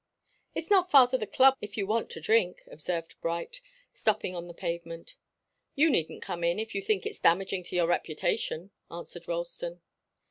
"It's not far to the club, if you want to drink," observed Bright, stopping on the pavement. "You needn't come in, if you think it's damaging to your reputation," answered Ralston.